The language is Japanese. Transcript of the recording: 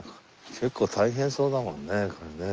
結構大変そうだもんねこれね。